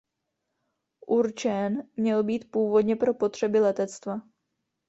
Určen měl být původně pro potřeby letectva.